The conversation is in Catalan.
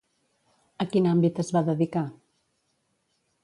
A quin àmbit es va dedicar?